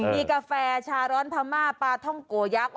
มีกาแฟชาโรนพลามาปลาท่องโกยักษ์